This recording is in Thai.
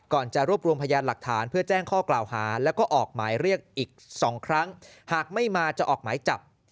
จะรวบรวมพยานหลักฐานเพื่อแจ้งข้อกล่าวหาแล้วก็ออกหมายเรียกอีก๒ครั้งหากไม่มาจะออกหมายจับ